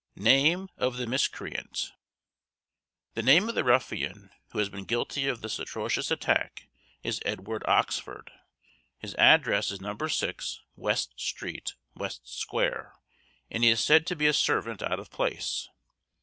NAME OF THE MISCREANT. The name of the ruffian who has been guilty of this atrocious attack is Edward Oxford; his address is No. 6, West street, West square, and he is said to be a servant out of place.